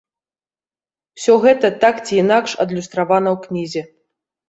Усё гэта так ці інакш адлюстравана ў кнізе.